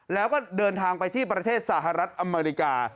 แล้วก็เดินทางไปที่ประเทศสหรัฐอเมริกา